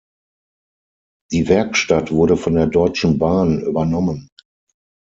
Die Werkstatt wurde von der Deutschen Bahn übernommen.